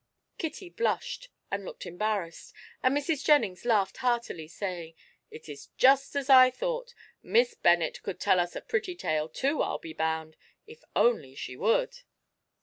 Kitty blushed and looked embarrassed, and Mrs. Jennings laughed heartily, saying: "It is just as I thought; Miss Bennet could tell us a pretty tale too, I'll be bound, if only she would."